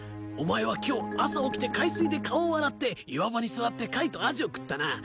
お前は今日朝起きて海水で顔を洗って岩場に座って貝とアジを食ったな。